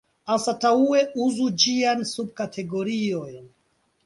Anstataŭe uzu ĝiajn subkategoriojn.